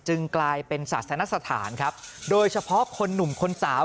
กลายเป็นศาสนสถานครับโดยเฉพาะคนหนุ่มคนสาว